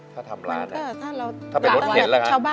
ถ้าทำร้านถ้าเป็นรถเข็นล่ะครับ